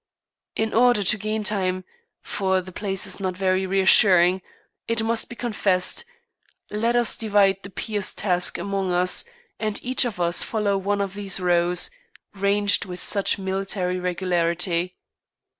In order to gain time for the place is not very reassuring, it must be confessed let us divide the pious task among us, and each of us follow one of these rows, ranged with such military regularity.